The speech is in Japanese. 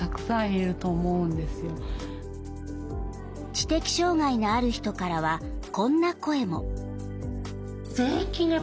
知的障害のある人からはこんな声も。